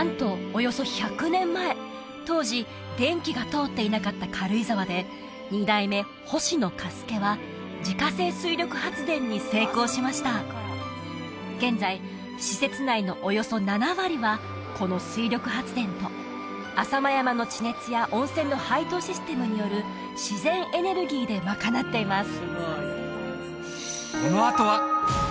およそ１００年前当時電気が通っていなかった軽井沢で二代目星野嘉助は自家製水力発電に成功しました現在施設内のおよそ７割はこの水力発電と浅間山の地熱や温泉の排湯システムによる自然エネルギーで賄っています